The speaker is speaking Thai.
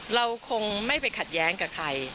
เราคงไม่ไปขัดแย้งกับใคร